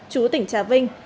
chú tỉnh trà vinh